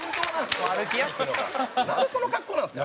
なんでその格好なんですか？